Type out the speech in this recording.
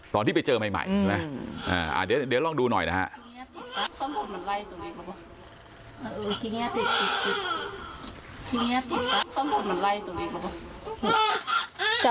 ตอนที่ไปเจอใหม่ใช่ไหมเดี๋ยวลองดูหน่อยนะฮะ